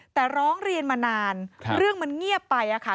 แต่ร้องเรียนมานานเรื่องมันเงียบไป